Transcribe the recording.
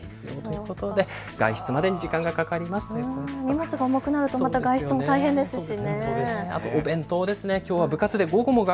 荷物が重くなると外出も大変ですしね。